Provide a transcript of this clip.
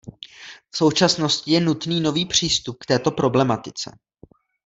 V současnosti je nutný nový přístup k této problematice.